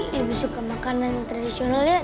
aku sih lebih suka makanan tradisionalnya